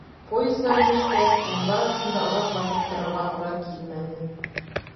Поездан төшкәс, ямғыр аҫтында оҙаҡ баҫып торорға тура килмәне.